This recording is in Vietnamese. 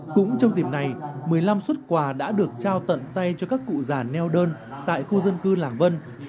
cũng trong dịp này một mươi năm xuất quà đã được trao tận tay cho các cụ già neo đơn tại khu dân cư làng vân